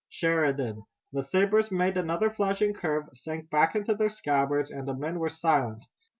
Sheridan!" The sabers made another flashing curve, sank back into their scabbards, and the men were silent.